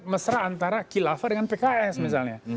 mesra antara khilafah dengan pks misalnya